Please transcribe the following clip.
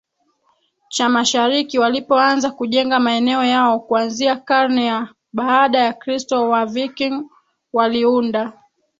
cha Mashariki walipoanza kujenga maeneo yao kuanzia karne ya baada ya kristo Waviking waliunda